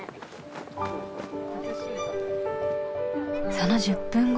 その１０分後。